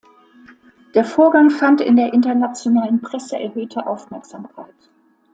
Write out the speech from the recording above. Der Vorgang fand in der internationalen Presse erhöhte Aufmerksamkeit.